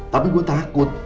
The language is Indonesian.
tapi gue takut